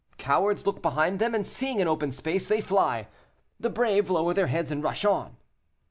Cowards look behind them, and seeing an open space, they fly; the brave lower their heads and rush on."